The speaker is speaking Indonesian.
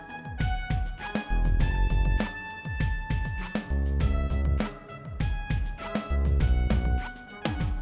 untukatching channel baru